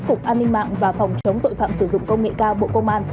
cục an ninh mạng và phòng chống tội phạm sử dụng công nghệ cao bộ công an